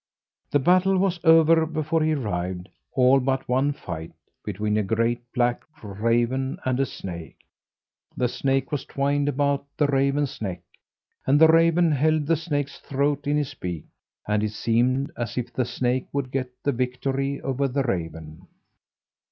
The battle was over before he arrived all but one fight, between a great black raven and a snake. The snake was twined about the raven's neck, and the raven held the snake's throat in his beak, and it seemed as if the snake would get the victory over the raven.